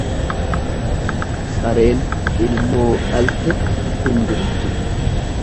Sareen ilmoo dhalte hin duttu.